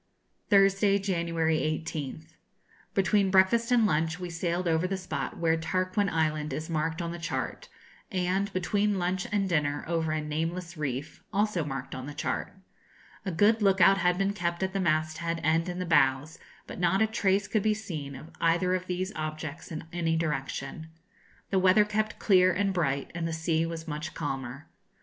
Thursday, January 18th. Between breakfast and lunch we sailed over the spot where Tarquin Island is marked on the chart, and, between lunch and dinner, over a nameless reef, also marked on the chart. A good look out had been kept at the masthead and in the bows, but not a trace could be seen of either of these objects in any direction. The weather kept clear and bright, and the sea was much calmer.